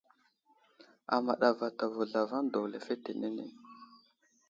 Amaɗ avatavo zlavaŋ daw lefetenene.